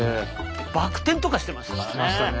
バク転とかしてましたから。